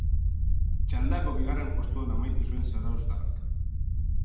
Txandako bigarren postuan amaitu zuen zarauztarrak.